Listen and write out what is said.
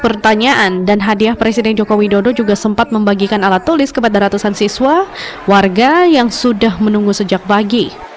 pertanyaan dan hadiah presiden joko widodo juga sempat membagikan alat tulis kepada ratusan siswa warga yang sudah menunggu sejak pagi